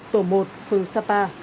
tổ một phương sapa